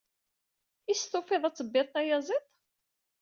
Is tufid ad tebbid tayaẓiḍt?